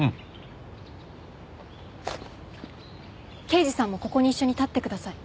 刑事さんもここに一緒に立ってください。